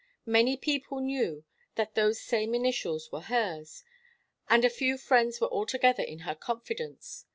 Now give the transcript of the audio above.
Many people knew that those same initials were hers, and a few friends were altogether in her confidence.